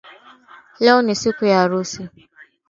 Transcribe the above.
Leo ni siku ya harusi